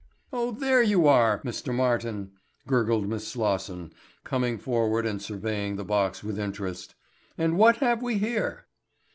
"Oh, there you are, Mr. Martin," gurgled Miss Slosson, coming forward and surveying the box with interest, "and what have we here?"